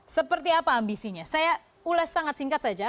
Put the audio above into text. seperti apa ambisinya saya ulas sangat singkat saja